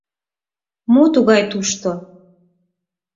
— Мо тугай тушто?